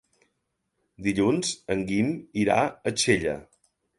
Dilluns en Guim irà a Xella.